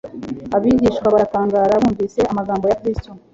Abigishwa baratangara bumvise amagambo ya Kristo